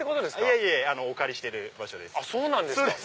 いやいやお借りしてる場所です。